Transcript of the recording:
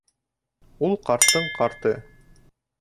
Ул ҡарттың ҡарты.